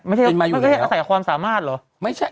มันก็อาศัยความสามารถเหรอ